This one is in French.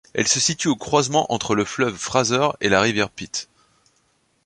Elle se situe au croisement entre le fleuve Fraser et la rivière Pitt.